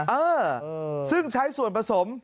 เออซึ่งใช้ส่วนผสม